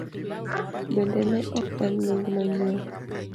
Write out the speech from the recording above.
Bende ne ok en nying manyien.